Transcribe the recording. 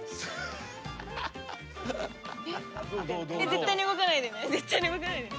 絶対に動かないでね。